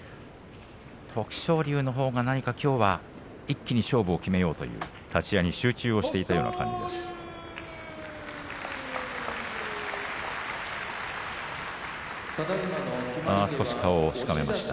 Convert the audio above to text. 徳勝龍のほうが、何かきょうは一気に勝負を決めようという立ち合いに集中していたような感じがします。